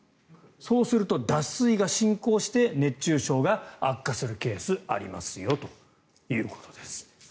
そうすると、脱水が進行して熱中症が悪化するケースありますよということです。